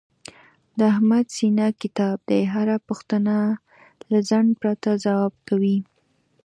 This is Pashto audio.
د احمد سینه کتاب دی، هره پوښتنه له ځنډ پرته ځواب کوي.